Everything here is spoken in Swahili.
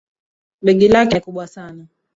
Begi lake ni kubwa sana